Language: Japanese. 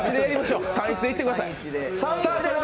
３×１でいってください。